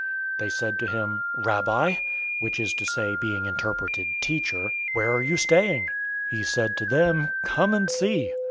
They said to him, "Rabbi" (which is to say, being interpreted, Teacher), "where are you staying?" 001:039 He said to them, "Come, and see."